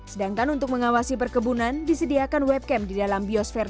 sedangkan untuk mengawasi perkebunan disediakan webcam di dalam biosfer